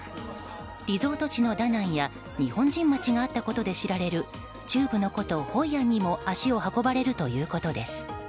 リゾート地のダナンや日本人町があったことで知られる中部の古都ホイアンにも足を運ばれるということです。